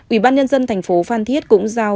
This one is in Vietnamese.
ủy ban nhân dân tp hcm cũng giao